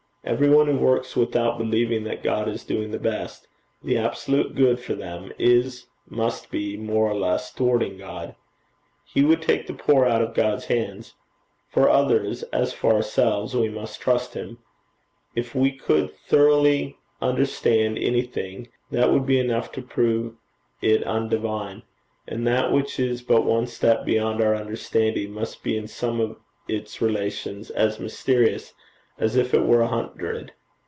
Every one who works without believing that God is doing the best, the absolute good for them, is, must be, more or less, thwarting God. He would take the poor out of God's hands. For others, as for ourselves, we must trust him. If we could thoroughly understand anything, that would be enough to prove it undivine; and that which is but one step beyond our understanding must be in some of its relations as mysterious as if it were a hundred.